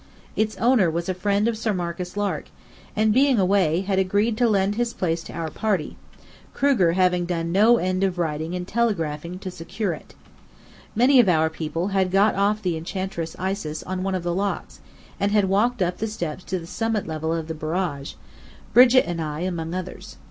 Its owner was a friend of Sir Marcus Lark, and, being away, had agreed to lend his place to our party, Kruger having done no end of writing and telegraphing to secure it. Many of our people had got off the Enchantress Isis in one of the locks, and had walked up the steps to the summit level of the Barrage, Brigit and I among others.